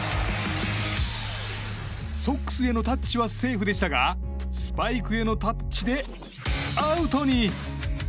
ソックスへのタッチはセーフでしたがスパイクへのタッチでアウトに。